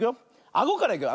あごからいくよ。